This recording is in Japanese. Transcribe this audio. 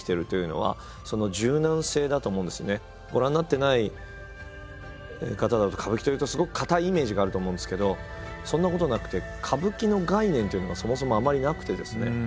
ご覧になってない方だと歌舞伎というとすごく堅いイメージがあると思うんですけどそんなことはなくて歌舞伎の概念っていうのがそもそもあまりなくてですね。